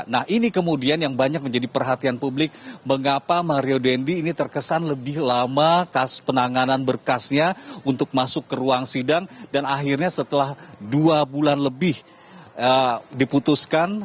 nah ini kemudian yang banyak menjadi perhatian publik mengapa mario dendi ini terkesan lebih lama penanganan berkasnya untuk masuk ke ruang sidang dan akhirnya setelah dua bulan lebih diputuskan